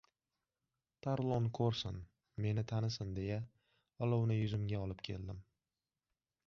Tarlon ko‘rsin, meni tanisin deya, olovni yuzimga olib keldim.